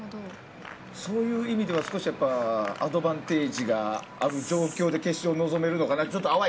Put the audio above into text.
そういう意味ではアドバンテージがある状況で決勝に臨めるのかなと。